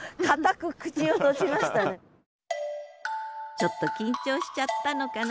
ちょっと緊張しちゃったのかな